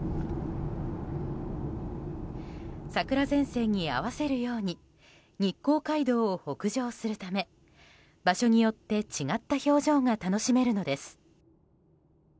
桜前線に合わせるように日光街道を北上するため場所によって違った表情が楽しめるのです。